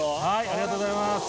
ありがとうございます。